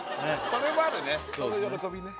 それもあるね